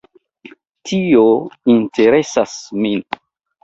Tio interesas min.